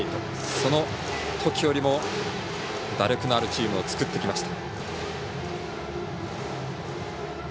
そのときよりも打力のあるチームを作ってきました。